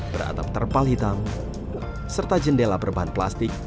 beratap terpal hitam serta jendela berbahan plastik